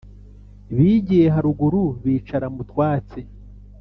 Bigiye haruguru bicara mu twatsi